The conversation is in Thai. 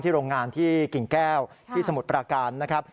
โรงงานที่กิ่งแก้วที่สมุทรปราการนะครับ